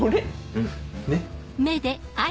うんねっ。